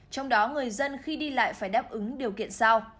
trong đó người dân khi đi lại phải đáp ứng điều kiện sau